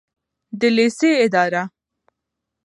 د لیسې اداره